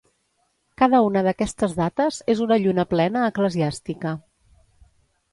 Cada una d'aquestes dates és una lluna plena eclesiàstica.